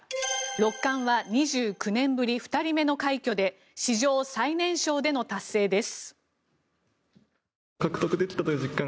六冠は２９年ぶり２人目の快挙で史上最年少での達成です。